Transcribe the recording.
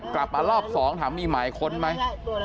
กลับมารอบ๒ถามมีหมายค้นไหม